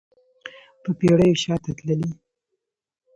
په پیړیو شاته تللی